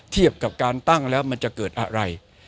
เทียบกับการตั้งแล้วมันจะเกิดอะไร